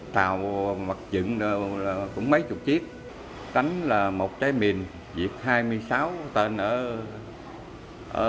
tàu mật chữ cũng là mấy chục chiếc đánh là một trái mìn việt hai mươi sáu tên ở kinh thén này